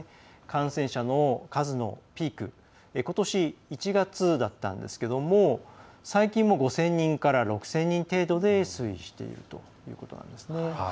感染者の数のピークことし１月だったんですけども最近も５０００人から６０００人程度で推移しているということなんですね。